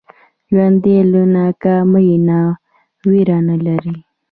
ژوندي له ناکامۍ نه ویره نه لري